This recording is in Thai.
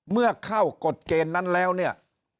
เมื่อเข้ากฎเกณฑ์นั้นแล้วเนี่ย